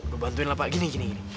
lu bantuin lah pak gini gini